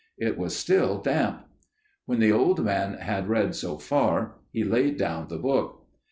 It was still damp." When the old man had read so far, he laid down the book.